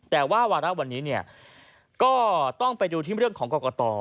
แต่ว่าวันนี้ก็ต้องไปดูที่เรื่องของกรกต่อ